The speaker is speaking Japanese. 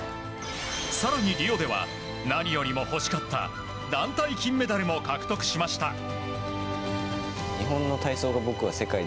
更に、リオでは何よりも欲しかった団体金メダルも獲得しました。